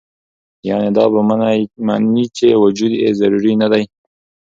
يعني دا به مني چې وجود ئې ضروري نۀ دے